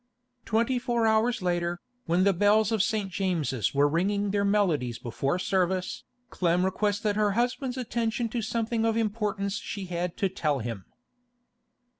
Twenty four hours later, when the bells of St. James's were ringing their melodies before service, Clem requested her husband's attention to something of importance she had to tell him.